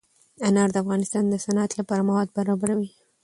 انار د افغانستان د صنعت لپاره مواد برابروي.